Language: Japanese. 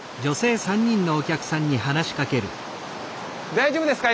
大丈夫ですか？